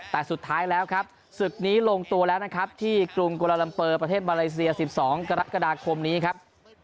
แต่สุดท้ายแล้วครับศึกนี้ลงตัวแล้วนะครับที่กรุงกุลาลัมเปอร์ประเทศมาเลเซีย๑๒กรกฎาคมนี้ครับ